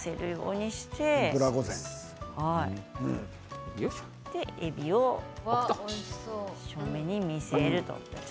そして、えびを正面に見せるわあ！